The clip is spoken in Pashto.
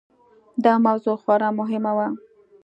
دا موضوع خورا مهمه وه.